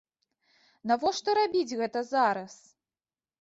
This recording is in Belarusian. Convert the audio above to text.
Навошта рабіць гэта зараз?